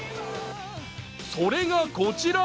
それが、こちら。